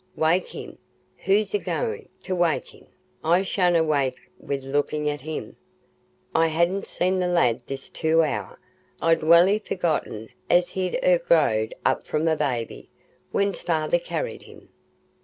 "Wake him? Who's a goin' to wake him? I shanna wake him wi' lookin' at him. I hanna seen the lad this two hour—I'd welly forgot as he'd e'er growed up from a babby when's feyther carried him."